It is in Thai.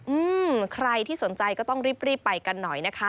อืมใครที่สนใจก็ต้องรีบรีบไปกันหน่อยนะคะ